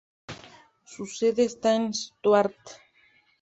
Su sede está en Stuart.